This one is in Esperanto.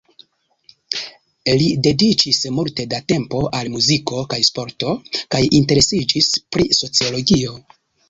Li dediĉis multe da tempo al muziko kaj sporto kaj interesiĝis pri sociologio.